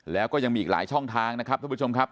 แล้วก็ยังมีอีกหลายช่องทางนะครับท่านผู้ชมครับ